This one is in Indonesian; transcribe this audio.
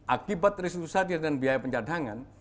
akibat resusasi dan biaya pencadangan